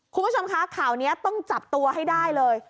คุณผู้ชมคะข่าวนี้ต้องจับตัวให้ได้เลย